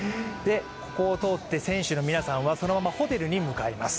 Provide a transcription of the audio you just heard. ここを通って選手の皆さんはそのままホテルに向かいます。